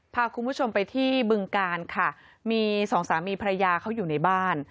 พาคุณผู้ชมไปที่บึงกาลค่ะมีสองสามีภรรยาเขาอยู่ในบ้าน